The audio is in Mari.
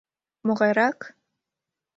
— Могайрак?